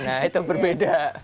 nah itu berbeda